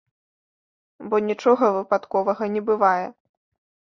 Бо нічога выпадковага не бывае.